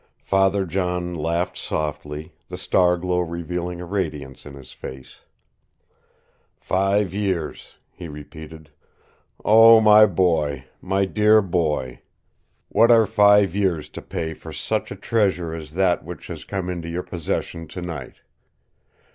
Father John laughed softly, the star glow revealing a radiance in his face. "Five years!" he repeated. "Oh, my boy, my dear boy, what are five years to pay for such a treasure as that which has come into your possession tonight?